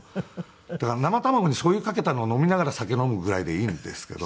だから生卵にしょうゆかけたのを飲みながら酒飲むぐらいでいいんですけど。